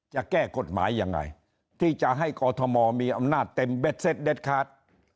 จะแก้กฎหมายยังไงที่จะให้กอทมมีอำนาจเต็มเบ็ดเซ็ตเด็ดขาด